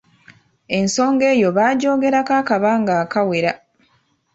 Ensonga eyo baagyogerako akabanga akawera.